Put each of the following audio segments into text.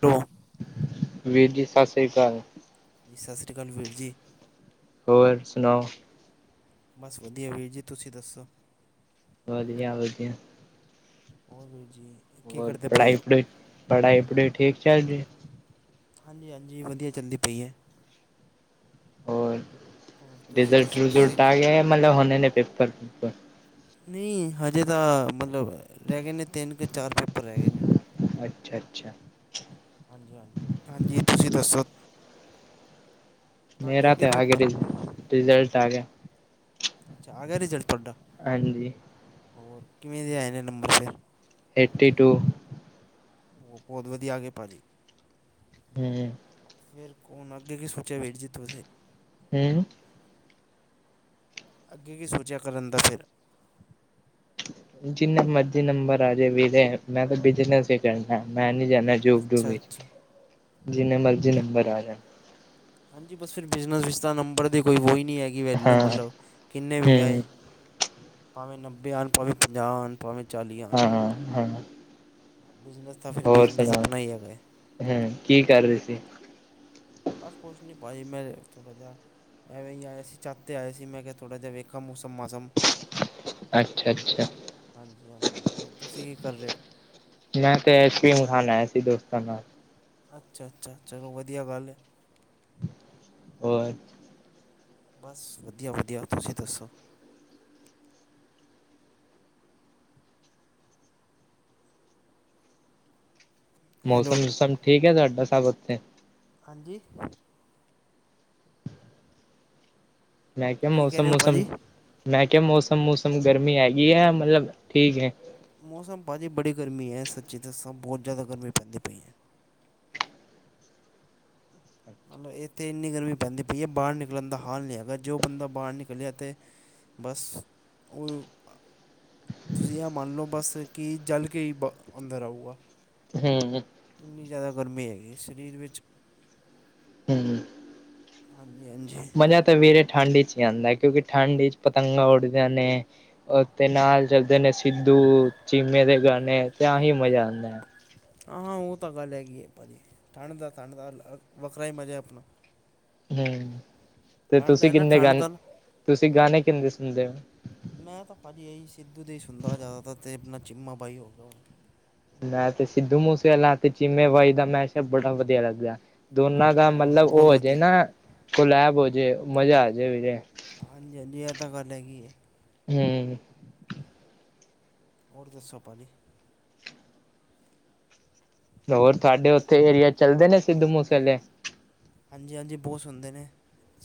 ਦ [inaudible] ਵੀਰ ਜੀ ਸਤ ਸ੍ਰੀ ਅਕਾਲ ਸਤ ਸ੍ਰੀ ਅਕਾਲ ਵੀਰ ਜੀ ਹੋਰ ਸੁਣਾਓ ਬਸ ਵਧੀਆ ਵੀਰ ਜੀ ਤੁਸੀਂ ਦੱਸੋ ਵਧੀਆ ਵਧੀਆ ਹੋਰ ਵੀਰ ਜੀ ਕੀ ਹੋਰ ਕਰਦੇ ਪਏ ਪੜ੍ਹਾਈ ਹੋ ਪੜੁਈ ਪੜ੍ਹਾਈ ਪੜੁਈ ਠੀਕ ਚੱਲ ਰਹੀ ਏ ਹਾਂਜੀ ਹਾਂਜੀ ਵਧੀਆ ਚੱਲਦੀ ਪਈ ਏ ਹੋਰ ਹੋਰ ਤੁਸੀਂ ਰਿਜ਼ਲਟ ਦੱਸੋ ਤੁਸੀਂ ਰੁਜ਼ਲਟ ਆ ਗਿਆ ਮਤਲਬ ਹੋਨੇ ਨੇ ਪੇਪਰ ਪੁਪਰ ਨਹੀਂ ਹਜੇ ਤਾਂ ਮਤਲਬ ਰਹਿ ਗਏ ਨੇ ਤਿੰਨ ਕਿ ਚਾਰ ਪੇਪ ਉੱਪਰ ਰਹਿ ਗਏ ਨੇ ਅੱਛਾ ਅੱਛਾ ਹਾਂਜੀ ਹਾਂਜੀ ਹਾਂਜੀ ਤੁਸੀਂ ਦੱਸੋ ਤੁਹਾਡੇ ਹੋ ਮੇਰਾ ਗਏ ਤੇ ਆ ਗਿਆ ਪੇਪਰ ਰਿ ਰਿਜ਼ਲਟ ਆ ਗਿਆ ਅੱਛਾ ਆ ਗਿਆ ਰਿਜ਼ਲਟ ਤੁਹਾਡਾ ਹਾਂਜੀ ਹੋਰ ਕਿਵੇਂ ਦੇ ਆਏ ਨੇ ਨੰਬਰ ਫੇਰ ਏਟੀ ਟੂ। ਉਹ ਬਹੁਤ ਵਧੀਆ ਆ ਗਏ ਭਾਜੀ। ਹੂੰ। ਫਿਰ ਹੁਨ ਅੱਗੇ ਕੀ ਸੋਚਿਆ ਵੀਰ ਜੀ ਤੁਸੀ ਹਮ [inaudible] ਅੱਗੇ ਕੀ ਸੋਚਿਆ ਕਰਨ ਦਾ ਫਿਰ ਜਿੰਨੇ ਮਰਜ਼ੀ ਨੰਬਰ ਆ ਜੇ ਵੀਰੇ ਮੈਂ ਤੇ ਬਿਜਨਸ ਹੀ ਕਰਨਾ ਮੈਂ ਨੀ ਜਾਂਨਾ ਜੋਬ ਜੁਬ ਅੱਛਾ ਵਿੱਚ ਅੱਛਾ ਜਿੰਨੇ ਮਰਜ਼ੀ ਨੰਬਰ ਆ ਜਾਣ ਹਾਂਜੀ ਬਸ ਫਿਰ ਬਿਜ਼ਨਸ ਵਿੱਚ ਤਾਂ ਨੰਬਰ ਦੇ ਕੋਈ ਵੋ ਹੀ ਨਹੀਂ ਹੈਗੀ। ਕਿ ਵ ਹਾਂ ਮ ਕਿੇ ਆ ਹਮ ਭਾਵੇਂ ਨਬੇ ਭਾਵੇਂਾਹ [inaudible] ਭਾਵੇਂ ਚਾਲੀਆਂ ਹਾ ਹਾ ਹਾ ਬਿਜ਼ਨਸ, ਤਾਂ ਫਿਰ ਹੋਰ ਬਿਜ਼ਨਸ ਸੁਣਾ, ਆਪਣਾ ਹੀ ਹੈਗਾ ਹੂੰ, ਕੀ ਕਰਦੇ ਸੀ? ਬਸ ਕੁਛ ਨਹੀਂ ਭਾਜੀ ਮੈਂ ਥੋੜ੍ਹਾ ਜਿਹਾ, ਐਵੇਂ ਹੀ ਛੱਤ ਤੇ ਆਏ ਸੀ ਮੈਂ ਕਿਹਾ ਥੋੜ੍ਹਾ ਜਿਹਾ ਵੇਖਿਆ ਮੌਸਮ ਮਾਸਮ। ਅੱਛਾ-ਅੱਛਾ। ਹਾਂਜੀ-ਹਾਂਜੀ, ਹੋਰ ਤੁਸੀਂ ਕੀ ਕਰ ਰਹੇ ਹੋ? ਮੈਂ ਤੇ ਆਈਸਕ੍ਰੀਮ ਖਾਣ ਆਇਆ ਸੀ ਦੋਸਤਾਂ ਨਾਲ। ਅੱਛਾ-ਅੱਛਾ, ਚਲੋ ਵਧੀਆ ਗੱਲ ਹੈ। ਹੋਰ। ਬਸ ਵਧੀਆ ਵਧੀਆ ਤੁਸੀਂ ਦੱਸੋ। ਮੌਸਮ ਹੈਲੋ ਮੁਸਮ ਠੀਕ ਹੈ ਤੁਹਾਡਾ ਸਭ ਉੱਥੇ? ਹਾਂਜੀ। ਮੈਂ ਕਿਹਾ ਕੀ ਕਹਿ ਮੌਸਮ ਰਹੇ ਹੋ ਮੁਸਮ, ਭਾਜੀ ਮੈਂ ਕਿਹਾ ਮੌਸਮ ਮੁਸਮ ਗਰਮੀ ਹੈਗੀ ਹੈ ਮਤਲਬ ਠੀਕ ਹੈ। ਮੌਸਮ ਭਾਜੀ ਬੜੀ ਗਰਮੀ ਹੈ ਸੱਚੀ ਦੱਸਾਂ ਬਹੁਤ ਜ਼ਿਆਦਾ ਗਰਮੀ ਪੈਂਦੀ ਪਈ ਹੈ। ਮਤਲਬ ਇੱਥੇ ਇੰਨੀ ਗਰਮੀ ਪੈਂਦੀ ਪਈ ਹੈ ਬਾਹਰ ਨਿਕਲਣ ਦਾ ਹਾਲ ਨਹੀਂ ਹੈਗਾ, ਜੋ ਬੰਦਾ ਬਾਹਰ ਨਿਕਲਿਆ ਤਾਂ ਬਸ, ਉਹ ਤੁਸੀਂ ਇਹ ਮੰਨ ਲਉ ਬਸ ਕਿ ਚੱਲ ਕੇ ਬ ਅੰਦਰ ਆਊਗਾ। ਹੂੰ ਹੂ ਇੰਨੀ ਜ਼ਿਆਦਾ ਗਰਮੀ ਹੈਗੀ ਸਰੀਰ ਵਿੱਚ। ਹਮ ਹਾਂਜੀ ਹਾਂਜੀ। ਸਵੇਰੇ ਠੰਡ ਚ ਹੀ ਆਉਂਦਾ ਕਿਉਂਕਿ ਠੰਢ ਚ ਪਤੰਗਾਂ ਉੱਡਦੀਆਂ ਨੇ। ਉ ਤੇ ਨਾਲ ਚਲਦੇ ਨੇ ਸਿੱਧੂ ਚੀਮੇ ਦੇ ਗਾਣੇ ਤੇ ਆਹੀ ਮਜ਼ਾ ਆਉਂਦਾ ਹੈ। ਹਾਂ, ਹਾਂ, ਉਹ ਤਾਂ ਗੱਲ ਹੈਗੀ ਹੈ ਭਾਜੀ ਠੰਡ ਦਾ ਠੰਡ ਦਾ ਵੱਖਰਾ ਹੀ ਮਜ਼ਾ ਹੈ ਆਪਣਾ। ਹੂੰ, ਤੇ ਠੰਡ ਦਾ ਤੁਸੀਂ ਹੈ ਨਾ ਕਿੰਨੇ ਠੰਡ ਗਾਣੇ, ਦਾ ਤੁਸੀਂ ਹੈਂ ਗਾਣੇ ਕਿੰਨੇ ਸੁਣਦੇ ਹੋ। ਮੈਂ ਤਾਂ ਭਾਜੀ ਇਹੀ ਸਿੱਧੂ ਦੇ ਹੀ ਸੁਣਦਾ ਜ਼ਿਆਦਾਤਰ ਅਤੇ ਆਪਣਾ ਚੀਮਾ ਬਾਈ ਹੋ ਗਿਆ ਉਹ। ਮੈਂ ਤੇ ਸਿੱਧੂ ਮੂਸੇਵਾਲਾ ਤੇ ਚੀਮੇ ਬਾਈ ਦਾ ਮੈਸ਼ ਬੜਾ ਵਧੀਆ ਲੱਗਦਾ। ਦੋਨਾਂ ਦਾ ਹਾਂ ਮਤਲਬ ਬਹੁਤ ਉਹ ਹਜੇ ਵਧੀਆ ਨਾ ਕੁਲਲੈਬ ਹੋਜੇ ਮਜ਼ਾ ਆਜੇ ਵੀਰੇੇ। ਹਾਂਜੀ-ਹਾਂਜੀ, ਇਹ ਤਾਂ ਗੱਲ ਹੈਗੀ ਹੈ। ਹੂੰ। ਹੋਰ ਦੱਸੋ ਭਾਜੀ? ਹੋਰ ਸਾਡੇ ਉੱਥੇ ਏਰੀਆ ਚੱਲਦੇ ਨੇ ਸਿੱਧੂ ਮੂਸੇ ਆਲੇ? ਹਾਂਜੀ-ਹਾਂਜੀ, ਬਹੁਤ ਸੁਣਦੇ ਨੇ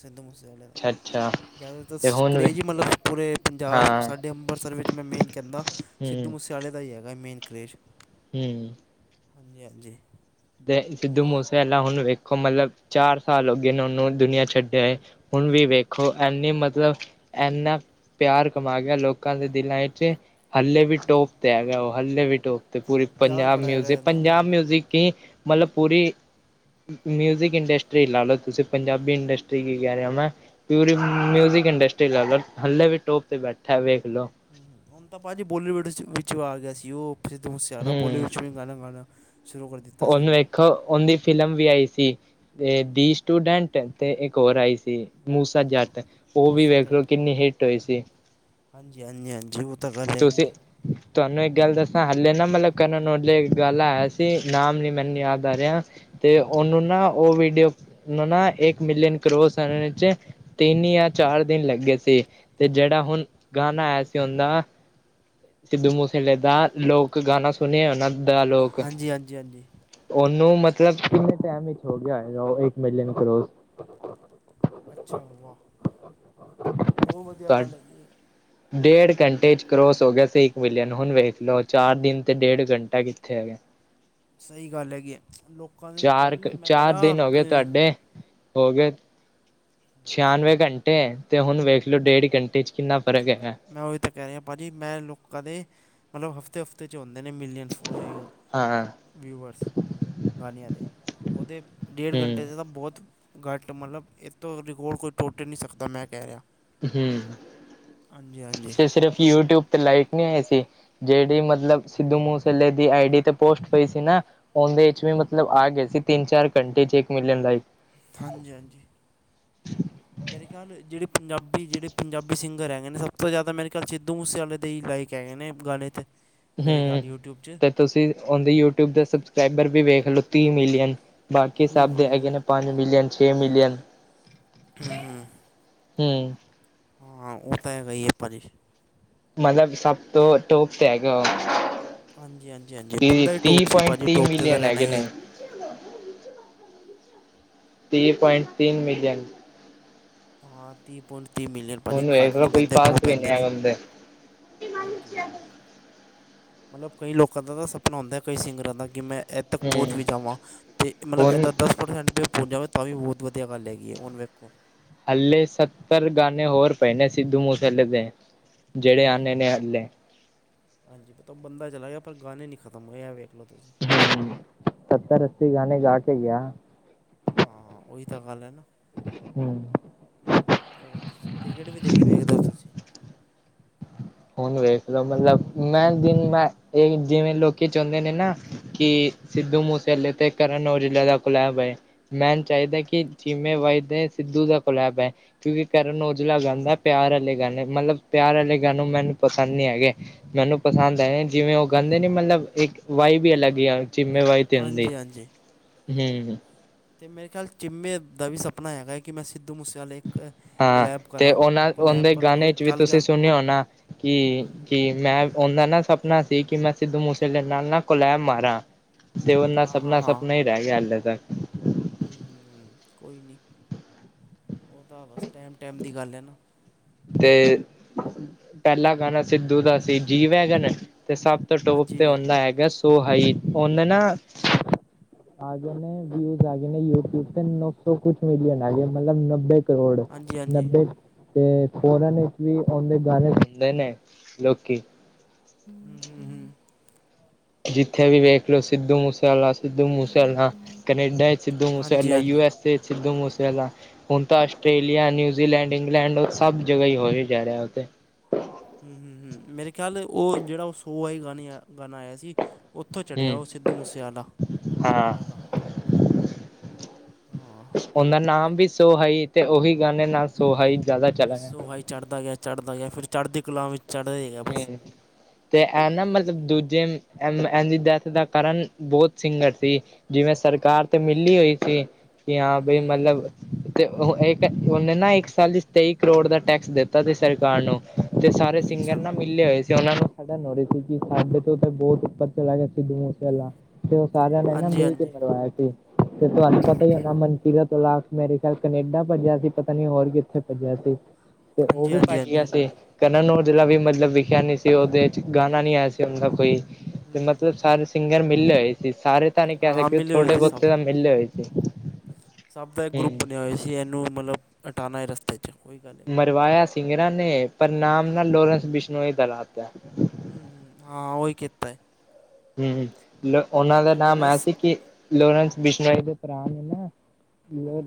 ਸਿੱਧੂ ਮੂਸੇਵਾਲੇ ਦਾ। ਅੱਛਾ-ਅੱਛਾ ਜ਼ਿਆਦਾਤਰ ਤੇ ਹੁਣ ਵੀ ਕਰਰੇਜ਼ ਹੀ ਮਤਲਬ ਪੂਰੇ ਪੰਜਾਬ ਸਾਡੇ ਅੰਮ੍ਰਿਤਸਰ ਵਿੱਚ ਮੈਂ ਮੇਨ ਕਹਿੰਦਾ। ਹੂੰ। ਸਿੱਧੂ ਮੂਸੇਵਾਲੇ ਦਾ ਹੀ ਹੈਗਾ ਮੇਨ ਕੇਜ। ਹੂੰ। ਹਾਂਜੀ-ਹਾਂਜੀ। ਤੇ ਸਿੱਧੂ ਮੂਸੇਵਾਲਾ ਹੁਣ ਵੇਖੋ ਮਤਲਬ ਚਾਰ ਸਾਲ ਹੋ ਗਏ ਨੇ ਉਹਨੂੰ ਦੁਨੀਆਂ ਛੱਡਿਆ ਹੋਏ। ਹੁਣ ਵੀ ਵੇਖੋ ਇਨੀ ਮਤਲਬ ਇਨਾਂ ਪਿਆਰ ਕਮਾ ਗਿਆ ਲੋਕਾਂ ਦੇ ਦਿਲਾਂ ਵਿੱਚ। ਹਲੇ ਵੀ ਟੋਪ ਤੇ ਹੈਗਾ। ਓਹ ਹੱਲੇ ਵੀ ਟੋਪ ਤੇ ਪੂਰੀ ਹਾਂ ਪਿਆਰ ਪੰਜਾਬ ਬੜਾ ਹੈਗਾ ਮਿਊਜਿਕ, ਇਹਦਾ ਪੰਜਾਬ ਹੁਣ ਮਿਊਜਿਕ ਹੀ ਮਤਲਬ ਪੂਰੀ ਮਿਊਜ਼ਿਕ ਇੰਡਸਟਰੀ ਲਾ ਲਓ ਤੁਸੀਂ ਪੰਜਾਬੀ ਇੰਡਸਟਰੀ ਕੀ ਕਹਿ ਰਹੇ ਹੋ ਮੈਂ ਪਿਊਰੀ ਮਿਊਜਿਕ ਇੰਡਸਟਰੀ ਲੈ ਲਓ ਹਲੇੇ ਵੀ ਟੋਪ ਤੇ ਬੈਠਾ ਵੇਖ ਲੋ। ਹੁਣ ਤਾਂ ਭਾਜੀ ਬੋਲੀਵੁੱਡ ਵਿੱਚ ਆ ਗਿਆ ਸੀ ਉਹ ਸਿੱਧ ਮੂਸਿਆਲਾ ਹੂੰ। ਬੋਲੀਵਡ ਚ ਗਣ ਮਣ ਸ਼ੁਰੂ ਕਰ ਦਿੱਤੀ ਉਹਨੂੰ ਇੱਕ ਉਹਦੀ ਫਿਲਮ ਵੀ ਆਈ ਸੀ। ਤੇ ਦੀ ਸਟੂਡੈਂਟ ਤੇ ਇੱਕ ਹੋਰ ਆਈ ਸੀ ਮੂਸਾ ਜੱਟ। ਉਹ ਵੀ ਮੂਸਾ ਵੇਖ ਲਓ ਜੱਟ ਕਿੰਨੀ ਹਿੱਟ ਹੋਈ ਸੀ, ਹਾਂਜੀ ਹਾਂਜੀ ਹਾਂਜੀ ਉਹ ਤਾਂ ਗੱਲ ਹੈਗੀ ਤੁਸੀ ਹੈ ਤੁਹਾਨੂੰ ਇੱਕ ਗੱਲ ਦੱਸਾਂ ਹਲੇੇ ਨਾ ਮਤਲਬ ਕਰਨ ਔਜਲੇ ਦਾ ਗਾਣਾ ਆਇਆ ਸੀ। ਨਾਮ ਨੀ ਮੈਨੂੰ ਯਾਦ ਆ ਰਿਹਾ। ਤੇ ਉਹਨੂੰ ਨਾ ਉਹ ਵੀਡੀਓ ਨਾ ਇੱਕ ਮਿਲੀਅਨ ਕਰੋੜ [unintelligible] ਤਿੰਨ ਯਾਂ ਚਾਰ ਦਿਨ ਲੱਗੇ ਸੀ, ਤੇ ਜਿਹੜਾ ਹੁਣ ਗਾਣਾ ਆਇਆ ਸੀ ਹੁਂਨ ਨਾ ਸਿੱਧੂ ਮੂਸੇ ਵਾਲ਼ੇ ਦਾ ਲੋਕ ਗਾਣਾ ਸੁਣੇ ਉਹਨਾਂ ਦਾ ਲੋਕ ਹਾਂਜੀ-ਹਾਂਜੀ-ਹਾਂਜੀ। ਉਹਨੂੰ ਮਤਲਬ ਕਿੰਨੇ ਟਾਈਮ ਵਿੱਚ ਹੋ ਗਿਆ ਹੋਏਗਾ ਇੱਕ ਮਿਲੀਅਨ ਕਰੋੜ ਅੱਛਾ, ਵਾਹ! ਬਹੁਤ ਵਧੀਆ ਤੁਹਾ ਗੱਲ ਹੈਗੀ ਹੈ। ਡੇਢ ਘੰਟੇ ਚ ਕਰੋਸ ਹੋ ਗਿਆ ਸੀ ਇੱਕ ਮਿਲੀਅਨ ਹੁਣ ਵੇਖ ਲਓ ਚਾਰ ਦਿਨ ਤੇ ਡੇਢ ਘੰਟਾ ਕਿੱਥੇ ਹੈਗੇ ਸਹੀ ਗੱਲ ਹੈਗੀ ਹੈ ਲੋਕਾਂ ਦੇ ਚਾਰ ਭਾਜੀ ਮੈਂ ਕਹਿ ਚਾਰ ਰਿਹਾ ਦਿਨ ਹੋ ਗਏ ਅਹ ਤੁਹਾਡੇ ਹੋ ਗਏ? ਛਿਆਨਵੇਂ ਘੰਟੇ ਤੇ ਹੁਣ ਵੇਖ ਲਓ ਡੇਢ ਘੰਟੇ 'ਚ ਕਿੰਨਾ ਫਰਕ ਹੈਗਾ ਹੈ। ਮੈਂ ਉਹੀ ਤਾਂ ਕਹਿ ਰਿਹਾ ਭਾਅ ਜੀ ਮੈਂ ਲੋਕਾਂ ਦੇ ਮਤਲਬ ਹਫ ਹਫ਼ਤੇ ਹਫ਼ਤੇ 'ਚ ਹੋਂਦੇ ਨੇ ਮੀਲੀਅਨ ਫ ਹਾਂ ਵਿਊਵਰਸ ਗਾਣਿਆਂ ਦੇ ਉਹਦੇ ਡੇਢ ਹੂੰ ਘੰਟੇ ਤੇ ਤਾਂ ਬਹੁਤ ਘੱਟ ਮਤਲਬ ਇਹ ਤੋਂ ਰਿਕਾਰਡ ਕੋਈ ਟੁੱਟ ਹੀ ਨਹੀਂ ਸਕਦਾ ਮੈਂ ਕਹਿ ਰਿਹਾ। ਹਮ ਹਾਂਜੀ ਹਾਂਜੀ ਤੇ ਸਿਰਫ਼ ਯੂਟਿਊਬ ਤੇ ਲਾਈਕ ਨਹੀ ਆਏ ਸੀ। ਜਿਹੜੀ ਮਤਲਬ ਸਿੱਧੂ ਮੂਸੇਆਲੇ ਦੀ ਆਈ ਡੀ ਤੇ ਪੋਸਟ ਪਈ ਸੀ ਨਾ ਉਹਦੇ ਚ ਵੀ ਮਤਲਬ ਆ ਗਏ ਸੀ ਤਿੰਨ-ਚਾਰ ਘੰਟੇ ਚ ਇੱਕ ਮਿਲੀਅਨ ਲਾਈਕ। ਹਾਂਜੀ, ਹਾਂਜੀ। ਮੇਰੇ ਖਿਆਲ ਜਿਹੜੇ ਪੰਜਾਬੀ, ਜਿਹੜੇ ਪੰਜਾਬੀ ਸਿੰਗਰ ਹੈਗੇ ਨੇ ਸਭ ਤੋਂ ਜ਼ਿਆਦਾ ਮੇਰੇ ਖਿਆਲ ਸਿੱਧੂ ਮੂਸੇਵਾਲੇ ਦੇ ਹੀ ਲਾਈਕ ਕਹਿਣੇ ਗਾਣੇ ਤੇ ਮੇਰੇ ਹਮ ਖਿਆਲ ਯੂਟਿਊਬ 'ਚ ਤੇ ਤੁਸੀਂ ਉਹਦੀ ਯੂਟਿਊਬ ਦਾ ਸਬਸਕ੍ਰਾਈਬਰ ਵੀ ਵੇਖ ਲਓ ਤੀਹ ਮਿਲੀਅਨ ਬਾਕੀ ਹੂੰ ਸਭ ਦੇ ਹੂੰ ਹੈਗੇ ਨੇ ਹੂੰ ਪੰਜ ਮਿਲੀਅਨ, ਛੇ ਮਿਲੀਅਨ। ਹੂੰ ਹੂੰ ਹੂੰ। ਹਾਂ, ਉਹ ਤਾਂ ਹੈਗਾ ਈ ਏ ਪਾਜੀ। ਮਤਲਬ ਸਭ ਤੋਂ ਤੋਪ ਤੇ ਹੈਗਾ ਉਹ। ਹਾਂਜੀ ਹਾਂਜੀ ਹਾਂਜੀ ਬੰਦਾ ਹੀ ਟੋਪ ਤੀਹ ਸੀ ਪੁਆਇੰਟ ਭਾਜੀ ਤੀਹ ਟੋਪ 'ਤੇ ਤਾਂ ਮਿਲੀਅਨ ਰਹਿਣਾ ਹੈਗੇ ਹੀ ਹੈ ਨੇ। ਤੀ ਪੁਆਇੰਟ ਤਿੰਨ ਮਿਲਅਨ। ਹਾਂ ਤੀਹ ਪੁਆਇੰਟ ਤੀਹ ਮਿਲੀਅਨ ਭਾ ਜੀ ਹੁਣ ਘਾਟ ਵੇਖ ਨੀ ਲੋ ਕੋਈ ਪੈਂਦੇ ਬਹੁਤ ਪਾਸ ਵੀ ਨੀ ਪੈਂਦੇ ਨੇ। ਹੈਗਾ ਉਹਦੇ ਹਾਂਜੀ-ਹਾਂਜੀ। ਮਤਲਬ ਕਈ ਲੋਕਾਂ ਦਾ ਤਾਂ ਸਪਨਾ ਹੁੰਦਾ ਕਈ ਸਿੰਗਰਾਂ ਦਾ ਕਿ ਮੈਂ ਤੱਕ ਪਹੁੰਚ ਹੂੰ ਵੀ ਜਾਵਾਂ ਅਤੇ ਮਤਲਬ ਹੁਣ ਇੱਦਾਂ ਦਾੱਸ [unintelligible] ਪੋਚ ਜਾਵੇ ਤਾਂ ਵੀ ਬਹੁਤ ਵਧੀਆ ਗੱਲ ਹੈਗੀ ਹੈ ਹੁਣ ਵੇਖੋ ਹਾਲੇ ਸੱਤਰ ਗਾਣੇ ਹੋਰ ਪਏ ਨੇ, ਸਿੱਂਧੂ ਮੂਸੇ ਆਲੇ ਦੇ, ਹੂੰ ਜਿਹੜੇ ਆਨੇ ਹੂੰ ਨੇ ਹੂੰ ਹਾਲੇ। ਹਾਂਜੀ ਪਤਾ। ਔਹ ਬੰਦਾ ਚਲਾ ਗਿਆ ਪਰ ਗਾਣੇ ਨਹੀਂ ਖਤਮ ਹੋਏਆ ਵੇਖ ਲਓ ਤੁਸੀਂ। ਸੱਤਰ ਅੱਸੀ ਗਾਣੇ ਗਾ ਕੇ ਗਿਆ। ਹਾਂ ਉਹੀ ਤਾਂ ਗੱਲ ਹੈ ਨਾ। ਹਮ, ਕ੍ਰਿਕਟ ਵੀ ਦੇਖ ਵੇਖਦੇ ਹੋ ਤੁਸੀਂ, ਹੁਣ ਵੇਖਦਾ ਮਤਲਬ ਮੈਂ ਦਿਨ ਮੈਂ ਇਹ ਜਿਵੇਂ ਲੋਕੀ ਚਾਹੁੰਦੇ ਨੇ ਨਾ ਕਿ, ਸਿੱਧੂ ਮੂਸੇਵਾਲੇ ਤੇ ਕਰਨਉਜਲ੍ਹੇ ਦਾ ਕੋਲੇਬ ਐ, ਮੈਨੂੰ ਚਾਹੀਦਾ ਕਿ ਚਿਮੇ ਵਾਈ ਤੇ ਸਿੱਧੂ ਦਾ ਕੋਲੈਬ ਹੈ, ਕਿਉਂਕਿ ਕਰਨ ਔਜਲਾ ਗਾਂਦਾ ਪਿਆਰ ਆਲੇ ਗਾਣੇ ਮਤਲਬ ਪਿਆਰ ਆਲੇ ਗਾਣੋ ਮੈਨੂੰ ਪਸੰਦ ਨਹੀ ਹੈਗੇ, ਮੈਨੂੰ ਪਸੰਦ ਹੈ ਜਿਵੇਂ ਉਹ ਗਾਂਦੇ ਨੇ ਮਤਲਬ ਇੱਕ ਵਾਈਵ ਵੀ ਅਲੱਗ ਹੀ ਆ ਚੀਮੇ ਭਾਈ, ਹਾਂਜੀ, ਹਾਂਜੀ ਹਮ ਹਮ ਅਤੇ ਮੇਰੇ ਖਿਆਲ ਚਿੰਮੇ ਦਾ ਵੀ ਸਪਨਾ ਹੈਗਾ ਹੈ ਕਿ ਮੈਂ ਸਿੱਧੂ ਮੂਸੇਵਾਲੇ ਇੱਕ, ਹਾਂ ਕਲੈਬ ਤੇ ਕਰਾਂ ਉਹਨਾਂ ਕੋਲੈਬ ਉਣਦੇ ਪਰ ਉਹ ਗਾਣੇ ਚ ਵੀ ਚੱਲ ਤੁਸੀਂ ਗਿਆ ਸੁਣਿਓ ਹੋਣਾ ਕਿ ਕੀ, ਮੈਂ ਉਹਦਾ ਨਾ ਸਪਨਾ ਸੀ ਕਿ ਮੈਂ ਸਿੱਧੂ ਮੂਸੇਲੇੇ ਨਾਲ ਨਾ ਕੋਲੈਬ ਮਾਰਾ, ਤੇ ਉਹਨਾ ਹਾਂ ਸਪਨਾ ਸਪਨਾ ਹੀਂ ਰਹਿ ਗਿਆ ਹਾਲੇ ਤੱਕ, ਹਮ ਕੋਈ ਨਹੀਂ ਉਹ ਤਾਂ ਬਸ ਟਾਇਮ ਟਾਇਮ ਦੀ ਗੱਲ ਹੈ ਨਾ, ਤੇ, ਪੈਲਾ ਗਾਨਾ ਸਿੱਦੂ ਦਾ ਸੀ ਜੀ ਵੈਗਨ ਤੇ ਸਬ ਟੋਪ ਹਾਂਜੀ ਤੇ ਵਾ- ਆਉਂਦਾ ਹੈਗਾ ਸੋ ਹਾਈ ੳਹਣੇ ਨਾ ਆ ਗਏ ਨੇ ਵਿਊਜ਼ ਆ ਗਏ ਨੇ ਯੂਟਿਊਬ ਤੇ ਨੌ ਸੌ ਕੁਛ ਮਿਲੀਅਨ ਆ ਗਏ ਮਤਲਬ ਨੱਬੇ, ਕਰੋੜ ਹਾਂਜੀ ਹਾਂਜੀ ਨੱਬੇ ਹੂੰ ਤੇ, ਫੋਰਨ ਵਿੱਚ ਵੀ ਆਉਂਦੇ ਗਾਣੇ ਨਹੀਂ ਨਹੀਂ ਲੋਕੀ ਹਂ, ਹਂ, ਹਂ। ਜਿੱਥੇ ਵੀ ਵੇਖ ਲਓ ਸਿੱਧੂ ਮੂਸੇਵਾਲਾ ਸਿੱਧ ਮੂਸੇ ਕਨੇਡਾ, ਸਿੱਧ ਹਾਂਜੀ ਮੂਸੇਲਾ ਯੂ ਹਾਂਜੀ ਐੱਸ ਏ, ਸਿੱਧ ਮੂਸੇਲਾ ਹੁਣ ਤਾਂ ਆਸਟ੍ਰੇਲੀਆ, ਨਿਊਜ਼ੀਲੈਂਡ, ਇੰਗਲੈਂਡ ਉਹ ਸਭ ਜਗਾ ਹੀ ਹੋ ਹੀ ਜਾ ਰਿਹਾ ਉੱਥੇ। ਹੂੰ, ਹੂੰ ਮੇਰੇ ਖਿਆਲ ਉਹ ਜਿਹੜਾ ਉਹ ਸੌ ਵਾਲੀ ਗਾਣੇ ਆ ਗਾਣਾ ਆਇਆ ਸੀ। ਉੱਥੋਂ ਚੜ੍ਹਿਆ ਹੂੰ ਉਹ ਸਿੱਧੂ ਮੂਸੇਵਾਲਾ ਹਾਂ ਜ਼ਿਆਦਾ ਹੈ ਨਾ? ਹਾਂ ਉਹਦਾ ਨਾਮ ਵੀ ਸੋਹਾਈ ਤੇ ਉਹੀ ਗਾਣੇ ਨਾਲ ਸੋਹਾਈ ਜ਼ਿਆਦਾ ਚਲਾ ਗਿਆ। ਵਾਈ ਚੜਦਾ ਗਿਆ। ਚੜ੍ਹਦਾ ਜਾਂ ਫਿਰ ਚੜ੍ਹਦੀ ਕਲਾਂ ਵਿੱਚ ਚੜ੍ਹੇਗਾ ਹੈ ਤੇ ਇਹ ਨਾ ਮਤਲਬ ਦੂਜੇ ਇਹ ਦੀ ਡੈਥ ਦਾ ਕਰਨ ਬਹੁਤ ਸਿੰਗਰ ਸੀ। ਜਿਵੇਂ ਸਰਕਾਰ ਤੇ ਮਿਲਲੀ ਹੋਈ ਸੀ ਕਿ ਹਾਂ ਬ ਹੂੰ ਮਤਲਬ ਤੇ ਇੱਕ ਉਹਨੇ ਨਾ ਇੱਕ ਸਾਲ ਚ ਤੇਈ ਕਰੋੜ ਦਾ ਟੈਕਸ ਦਿੱਤਾ ਸੀ ਸਰਕਾਰ ਨੂੰ। ਤੇ ਸਾਰੇ ਸਿੰਗਰ ਅੱਛਾ ਨਾ ਮਿਲਲੇ ਹੋਏ ਸੀ। ਓਨਾ ਨੂੰ ਛੜਨ ਹੋ ਰਹੀ ਸੀ ਕਿ, ਸਾਡੇ ਤੋਂ ਤਾਂ ਬਹੁਤ ਉੱਪਰ ਚਲਾ ਗਿਆ ਸਿਧੂ ਮੂਸੇਵਾਲਾ। ਤੇ ਓਹ ਸਾਰਿਆਂ ਨੇ ਨਾ ਹਾਂਜੀ ਮਿਲ ਕੇ ਹਾਂਜੀ ਮਰਵਾਇਆ ਸੀ। ਤੇ ਤੁਹਾਨੂੰ ਪਤਾ ਹੀ ਹੋਣਾ ਮਨਕੀਰਤ ਔਲਾਖ ਮੇਰੇ ਖਿਆਲ ਕਨੇਡਾ ਭੱਜਿਆ ਸੀ ਪਤਾ ਨੀ ਹੋਰ ਕਿੱਥੇ ਭੱਜਿਆ ਸੀ। ਤੇ ਉਹ ਹਾਂਜੀ ਵੀ ਹਾਂਜੀ ਭਜ ਗਿਆ ਹਾਂਜੀ ਸੀ। ਕਰਨ ਓਜਲਾ ਵੀ ਮਤਲਬ ਲਿਖਿਆ ਨੀ ਸੀ ਉਹਦੇ ਚ ਗਾਣਾ ਨੀ ਆਇਆ ਸੀ। ਉਹ ਦਾ ਕੋਈ ਤੇ ਮਤਲਬ ਸਾਰੇ ਸਿੰਗਰ ਮਿਲਲੇ ਹੋਏ ਸੀ। ਸਾਰੇ ਤਾਂ ਨੀ ਕਹਿ ਹਾਂ ਹਾਂ ਸਕਦੇ ਮਿਲੇ ਹੋਏ ਥੋਡੇ- ਸੀ ਸਭ ਬਹੁਤੇ ਤਾਂ ਮਿਲਲੇ ਹੋਏ ਸੀ। ਸਭ ਦਾ ਇੱਕ ਗਰੁੱਪ ਹਮ ਬਣਿਆ ਹੋਇ ਸੀ। ਇਹਨੂੰ ਮਤਲਬ ਹਟਾਉਣਾ ਐ ਰਸਤੇ 'ਚ ਕੋਈ ਗੱਲ ਨਹੀਂ। ਮਰਵਾਇਆ ਸਿੰਗਰਾਂ ਨੇ ਪਰ ਨਾਮ ਨਾ ਲੋਰੈਂਸ ਬਿਸ਼ਨੋ ਹੀ ਦ ਲਾਤਾ। ਹੂੰ, ਹੂੰ, ਹਾਂ ਉਹੀ ਕੀਤਾ ਏ। ਹਮ ਲੋ ਉਹਨਾਂ ਦਾ ਨਾਮ ਆਇਆ ਲੋਰੈਂਸ ਸੀ ਕਿ ਲੋਰੈਂਸ ਬਿਸ਼ਨੋਈ ਦੇ ਭਰਾ ਨੇ ਨਾ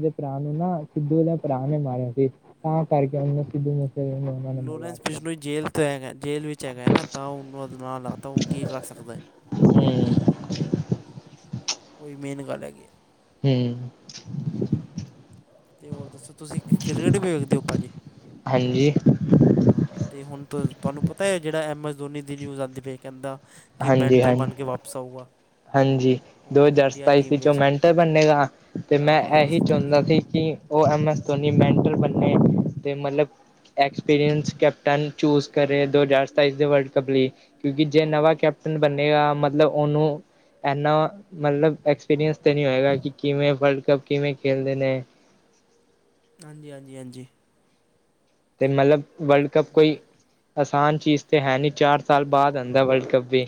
ਦੇ ਭਰਾ ਨੂੰ ਨਾ ਸਿੱਧੂ ਦੇ ਭਰਾ ਨੇ ਮਾਰਿਆ ਸੀ ਤਾਂ ਕਰਕੇ ਉਹਨੂੰ ਲੋਰੈਂਸ [inaudible] ਬਿਸ਼ਨੋਈ ਜੇਲ੍ਹ ਹੈਗਾ ਜੇਲ੍ਹ ਵਿੱਚ ਹੈਗਾ ਨਾ। ਤਾਂ ਉਹਨੂੰ ਨਾਲ ਲਾ ਤਾਂ ਉਹ ਕੀ ਕਰਾ ਸਕਦਾ। ਹੂੰ ਉਹੀ ਮੇਨ ਗੱਲ ਹੈਗੀ ਆ। ਹੂੰ ਹਮ ਤੇ ਹੋਰ ਦੱਸੋ ਤੁਸੀਂ ਕ੍ਰੀਕਟ ਵੇਖਦੇ ਹੋ ਭਾਅ ਜੀ? ਹਾਂਜੀ ਹਾਂ ਤੇ ਹੁਣ ਤੁਹਾਨੂੰ ਪਤਾ ਹੈ ਜਿਹੜਾ ਐਮ ਐਸ ਧੋਨੀ ਦੀ ਨਿਊਜ਼ ਆਉਂਦੀ ਪ ਕਹਿੰਦਾ ਕਿ ਹਾਂਜੀ ਮੈਂਟਰ ਹਾਂਜੀ ਬਣ ਕੇ ਵਾਪਸ ਆਊਗਾ। ਹਾਂਜੀ ਦੋ ਉਹ ਹਜ਼ਾਰ ਇੰਡੀਆ ਸਤਾਈਸ ਟੀਮ ਚੋਂ ਵਿੱਚ ਮਿੰਟ ਬੰਨੇਗਾ ਤੇ ਮੈਂ ਹਾਂ ਦੋ ਹਜ਼ਾਰ ਇਹੀ ਸਤਾਈ ਚਾਹੁੰਦਾ 'ਚ ਸੀ ਕਿ ਉਹ ਐਮਐਸ ਧੋਨੀ ਮੈਂਟਲ ਬਣੇ ਅਤੇ ਮਤਲਬ ਐਕਸਪੀਰੀਅੰਸ ਕੈਪਟਨ ਚੂਜ ਕਰ ਰਹੇ ਦੋ ਹਜ਼ਾਰ ਸਤਾਈਸ ਦੇ ਵਰਲਡ ਕੱਪ ਲਈ ਕਿਉਂਕਿ ਜੇ ਨਵਾਂ ਕੈਪਟਨ ਬੰਨੇਗਾ ਮਤਲਬ ਉਹਨੂੰ ਇਨਾ ਮਤਲਬ ਐਕਸਪੀਰੀਅੰਸ ਤਾਂ ਨਹੀਂ ਹੋਏਗਾ ਕਿ, ਕਿਵੇਂ ਵਰਲਡ ਕੱਪ ਕਿਵੇਂ ਖੇਲਦੇ ਨੇ? ਹਾਂਜੀ, ਹਾਂਜੀ, ਹਾਂਜੀ ਤੇ ਮਤਲਬ ਵਰਲਡ ਕੱਪ ਕੋਈ ਆਸਾਨ ਚੀਜ਼ ਤੇ ਹੈ ਨਈ। ਚਾਰ ਸਾਲ ਹੂੰ, ਬਾਅਦ ਆਦਾਂ ਵਰਲਡ ਕੱਪ ਵੀ।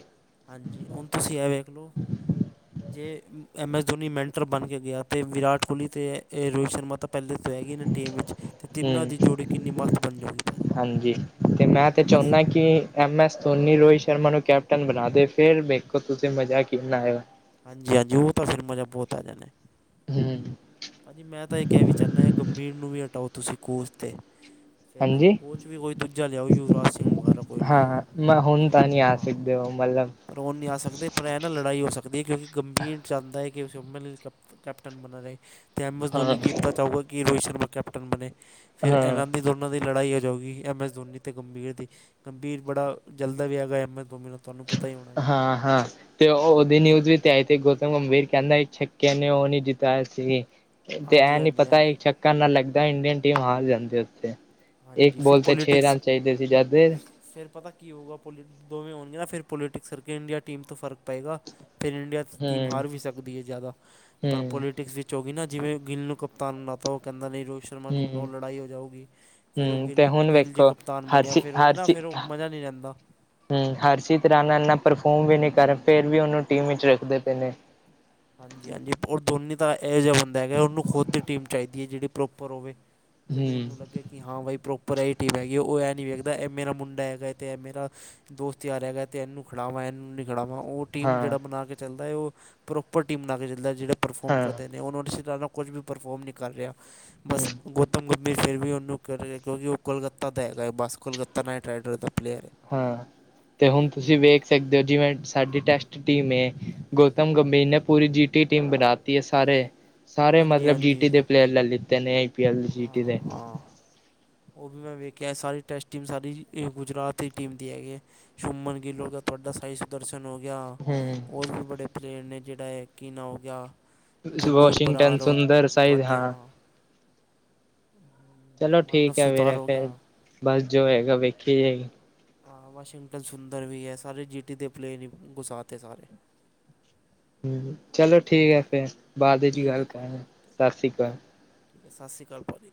ਹਾਂਜੀ ਹੁਣ ਤੁਸੀਂ ਇਹ ਵੇਖ ਲਓ। ਜੇ ਐੱਮ ਐੱਸ ਧੋਨੀ ਮੈਂਟਰ ਬਣ ਕੇ ਗਿਆ ਅਤੇ ਵਿਰਾਟ ਕੋਹਲੀ ਅਤੇ ਰੋਹਿਤ ਸ਼ਰਮਾ ਤ ਪਹਿਲੇੇ ਤੋਂ ਹੈਗੀ ਨੇ ਟੀਮ ਵਿੱਚ ਤਿੰਨਾਂ ਹਮ, ਦੀ ਜੋੜੀ ਕਿੰਨੀ ਮਸਤ ਬਣ ਜਾਊਗੀ ਭਾਅ ਹਾਂਜੀ, ਤੇ ਜੀ ਮੈਂ ਤਾਂ ਬਸ ਚਾਹੁੰਦਾ ਕਿ ਐਮ ਐਸ ਧੋਨੀ ਰੋਹਿਤ ਸ਼ਰਮਾ ਨੂੰ ਕੈਪਟਨ ਬਣਾ ਦੇ, ਫੇਰ ਵੇਖੋ ਤੁਸੀਂ ਮਜ਼ਾ ਕਿੰਨਾ ਆਏਗਾ। ਹਾਂਜੀ-ਹਾਂਜੀ, ਉਹ ਤਾਂ ਫਿਰ ਮਜ਼ਾ ਬਹੁਤ ਆ ਜਾਂਦਾ। ਹਮ ਭਾਜੀ ਮੈਂ ਤਾਂ ਇੱਕ ਇਹ ਵੀ ਚਾਹੁੰਦਾ, ਗੰਭੀਰ ਨੂੰ ਵੀ ਹਟਾਓ ਤੁਸੀਂ ਕੋਚ 'ਤੇ। ਫਿਰ ਨਾ ਹਾਂਜੀ ਕੋਚ ਵੀ ਉਹੀ ਦੂਜਾ ਲਿਆਓ ਯੁਵਰਾਜ ਸਿੰਘ ਵਗੈਰਾ ਕੋਈ ਲਿਆਓ, ਹਾਂ ਮੈਂ ਹੁਣ ਫਿਰ ਤਾਂ ਨਹੀਂ ਆ ਹਾਂ ਸਕਦੇ ਹੋ ਮਤਲਬ ਪਰ ਉਹ ਨਹੀਂ ਆ ਸਕਦੇ, ਪਰ ਏ ਨਾ ਲੜਾਈ ਹੋ ਸਕਦੀ ਹੈ, ਕਿਉਂਕਿ ਗੰਭੀਰ ਚਾਹੁੰਦਾ ਹੈ ਕਿ [inaudible] ਕੈਪਟਨ ਬਣਾ ਰਹੇ ਤੇ ਐਮ ਐਸ ਹਾਂ ਧੋਨੀ ਕੀ ਪਤਾ ਚਾਹਊਗਾ ਕਿ, ਰੋਹਿਤ ਸ਼ਰਮਾ ਕੈਪਟਨ ਬਣੇ ਫਿਰ ਹਾਂ ਐਲਾਂਨੀ ਉਹਨਾਂ ਦੀ ਲੜਾਈ ਹੋ ਜਾਊਗੀ, ਐਮ ਐਸ ਧੋਨੀ ਤੇ ਗੰਭੀਰ ਦੀ, ਗੰਭੀਰ ਬੜਾ ਜਲਦਾ ਵੀ ਹੈਗਾ ਐਮ ਐਸ ਧੋਨੀ ਤੋਂ। ਤੁਹਾਨੂੰ ਪਤਾ ਹੀ ਹੋਣਾ। ਹੈ ਹਾਂ-ਹਾਂ ਤੇ ਓ ਉਹਦੀ ਨਿਊਜ਼ ਵੀ ਤੇ ਆਈ ਤੇ, ਗੌਤਮ ਗੰਭੀਰ ਕਹਿੰਦਾ ਛੱਕਿਆ ਨੇ ਉਹ ਨੀ ਜਿਤਾਇਆ ਸੀ। ਤੇ ਹਾਂਜੀ ਐਂ ਨੀ ਹਾਂਜੀ ਪਤਾ ਹਾਂਜੀ ਚੱਕ ਨਾ ਲੱਗਦਾ ਇੰਡੀਅਨ ਟੀਮ ਹਾਰ ਜਾਂਦੀ ਉੱਥੇ ਇੱਕ ਹਾਂਜੀ ਫਿਰ ਬੋਲ ਤੇ ਛੇ ਪੋਲੀਟਿਕਸ ਰਨ ਚਾਹੀਦੇ ਸੀ ਜਦ ਦੇ ਫਿਰ ਪਤਾ ਕੀ ਹੋਊਗਾ ਪੋਲੀ ਦੋਵੇਂ ਹੋਣਗੀਆਂ, ਨਾ ਫਿਰ ਪੋਲੀਟਿਕਸ ਕਰਕੇ ਇੰਡੀਆ ਟੀਮ ਤੋਂ ਫਰਕ ਪਏਗਾ, ਫਿਰ ਇੰਡੀਆ ਟੀਮ ਹੂੰ ਹਾਰ ਵੀ ਸਕਦੀ ਹੈ ਜ਼ਿਆਦਾ ਪਰ ਹੂੰ ਪੋਲੀਟਿਕਸ ਵਿੱਚ ਚ ਹੋਗੀ ਨਾ ਜਿਵੇਂ ਗਿੱਲ ਨੂੰ ਕਪਤਾਨ ਬਣਾ ਤ ਉਹ ਕਹਿੰਦਾ ਨਹੀਂ ਰੋਹਿਤ ਸ਼ਰਮਾ ਨੂੰ ਬਣਾਓ ਲੜਾਈ ਹੋ ਜਾਊਗੀ ਫਿਰ ਉਹ ਹਮ, ਤੇ ਗਿੱਲ ਹੁਣ ਗਿੱਲ ਜੇ ਵੇਖੋ ਕਪਤਾਨ ਬਣਿਆ ਹਰਸੀ- ਫਿਰ ਉਹ ਨਾ ਹਰਸੀ ਫਿਰ ਉਹ ਮਜ਼ਾ ਨਹੀਂ ਰਹਿੰਦਾ ਹਮ ਹਰਸੀਤ ਰਾਣਾ ਨਾਲ ਇਨਾ ਪਰਫੋਰਮ ਵੀ ਨੀ ਕਰਨ ਫੇਰ ਵੀ ਉਹਨੂੰ ਟੀਮ ਵਿਚ ਰੱਖਦੇ ਪਏ ਨੇ। [unintelligible] [unintelligible] ਹਾਂਜੀ-ਹਾਂਜੀ, ਉਹ ਦੋਨੀ ਤਾਂ ਇਹੋ ਜਿਹਾ ਬੰਦਾ ਹੈਗਾ, ਉਹਨੂੰ ਖੁਦ ਦੀ ਟੀਮ ਚਾਹੀਦੀ ਹੈ, ਜਿਹੜੀ ਪ੍ਰੋਪਰ ਹੋਵੇ। ਜਿਹੜੀ ਹੂੰ ਉਹਨੂੰ ਲੱਗੇ, ਕਿ ਹਾਂ ਬਾਈ ਪ੍ਰੋਪਰ ਇਹ ਟੀਮ ਹੈਗੀ ਹੈ, ਉਹ ਏਹ ਨਹੀਂ ਵੇਖਦਾ ਇਹ ਮੇਰਾ ਮੁੰਡਾ ਹੈਗਾ ਅਤੇ ਇਹ ਮੇਰਾ ਦੋਸਤ ਯਾਰ ਹੈਗਾ ਤੇ ਇਹਨੂੰ ਖੜਾਵਾਂ, ਇਹਨੂੰ ਨਹੀਂ ਖੜਾਵਾਂ ਉਹ ਟੀਮ ਹਾਂ ਜਿਹੜਾ ਬਣਾ ਕੇ ਚੱਲਦਾ ਹੈ, ਉਹ ਪ੍ਰੋਪਰ ਟੀਮ ਬਣਾ ਕੇ ਚੱਲਦਾ ਜਿਹੜੇ ਪਰਫੋਮ ਹਾਂ ਕਰਦੇ ਨੇ ਉਹਨਾਂ ਨੂੰ ਕੁਝ ਵੀ ਪਰਫੋਮ ਨਹੀਂ ਕਰ ਰਿਹਾ, ਹੂੰ ਬਸ ਗੁ ਗੌਤਮ ਗੰਭੀਰ ਫਿਰ ਵੀ ਉਹਨੂੰ ਕਰੇਗਾ, ਕਿਉਂਕਿ ਉਹ ਕੋਲਕੱਤਾ ਦਾ ਹੈਗਾ, ਬਸ ਕੋਲਕੱਤਾ ਨਾਈਟ ਰਾਈਡਰ ਦਾ ਪਲੇਅਰ ਏ। ਹਾਂ, ਤੇ ਹੁਣ ਤੁਸੀਂ ਵੇਖ ਸਕਦੇ ਹੋ ਜਿਵੇਂ ਸਾਡੀ ਟੈਸਟ ਟੀਮ ਹੈ, ਗੌਤਮ ਗੰਭੀਰ ਨੇ ਪੂਰੀ ਜੀ ਟੀ ਟੀਮ ਬਣਾਤੀ ਏ ਸਾਰੇ ਸਾਰੇ ਹਾਂਜੀ ਮਤਲਬ ਜੀ ਹਾਂਜੀ ਟੀ ਦੇ ਪਲੇਅਰ ਲੈ ਲਿੱਤੇ ਨੇ ਆਈ ਪੀ ਐਲ ਜੀ ਟੀ ਹਾਂ ਦੇ ਹਾਂ ਉਹ ਵੀ ਮੈਂ ਵੇਖਿਆ, ਸਾਰੀ ਟੈਸਟ ਟੀਮ ਸਾਰੀ ਗੁਜਰਾਤ ਦੀ ਟੀਮ ਦੀ ਹੈਗੀ ਹੈ। ਸ਼ੁਭਮਨ ਗਿੱਲ ਹੋ ਗਿਆ, ਤੁਹਾਡਾ ਸਾਈ-'- ਦਰਸ਼ਨ ਹੋ ਗਿਆ, ਹੂੰ ਹੋਰ ਵੀ ਬੜੇ ਪਲੇਰ ਨੇ, ਜਿਹੜਾ ਇਹ ਕਿ ਨਾ ਹੋ ਗਿਆ ਗੁਰਨੂਰ ਵਾਸ਼ਿੰਗਟਨ, ਬਰਾੜ ਔਰ ਸੁੰਦਰ ਸਾਈਜ਼ ਤੁਹਾਡੇ ਆ ਹਾਂ ਚਲੋ ਮਾਨਵ ਠੀਕ ਹੈ ਸੁਤਾਰ ਵੀਰੇ, ਹੋ ਗਿਆ ਫਿਰ ਬਸ ਜੋ ਹੋਏਗਾ ਵੇਖੀ ਜਾਏਗੀ। ਹਾਂ, ਵਾਸ਼ਿੰਗਟਨ ਸੁੰਦਰ ਵੀ ਹੈ, ਸਾਰੇ ਜੀ ਟੀ ਦੇ ਪਲੇਅਰ ਹੀ ਗੁਸਾ ਤੇ ਸਾਰੇ। ਹਮ, ਚਲੋ ਠੀਕ ਹੈ ਹਾਂਜੀ ਫੇਰ, ਬਾਅਦ ਚ ਠੀਕ ਗੱਲ ਹੈ ਭਾਅ ਜੀ ਕਰਾਂਗੇ, ਓਕੇ ਸਤਿ ਸ੍ਰੀ ਅਕਾਲ। ਸਤਿ ਸ਼੍ਰੀ ਅਕਾਲ ਭਾਜੀ।